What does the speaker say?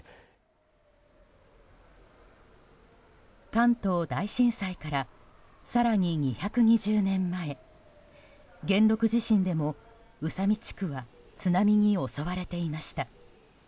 関東大震災から更に２２０年前元禄地震でも宇佐美地区は津波に襲われていました。